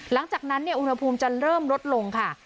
หลังจากนั้นอุณหภูมิจะเริ่มลดลงค่ะ